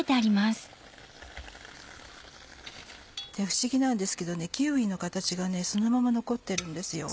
不思議なんですけどねキーウィの形がねそのまま残ってるんですよ。